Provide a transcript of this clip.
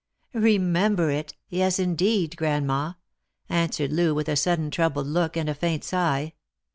" Remember it? yes, indeed, grandma," answered Loo, with a suddeu troubled look and a faint sigh.